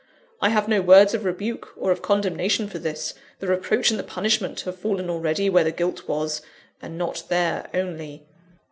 I have no words of rebuke or of condemnation for this: the reproach and the punishment have fallen already where the guilt was and not there only.